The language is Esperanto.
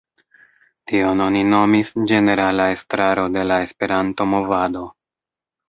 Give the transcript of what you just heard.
Tion oni nomis "Ĝenerala Estraro de la Esperanto-Movado".